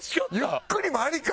ゆっくりもありか！